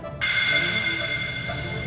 ya dia juga